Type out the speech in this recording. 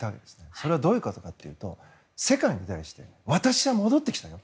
それはどういうことかというと世界に対して私は戻ってきたよ